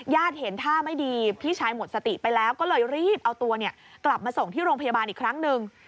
เห็นท่าไม่ดีพี่ชายหมดสติไปแล้วก็เลยรีบเอาตัวกลับมาส่งที่โรงพยาบาลอีกครั้งหนึ่ง